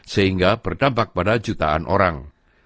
sehingga berdampak pada jutaan orang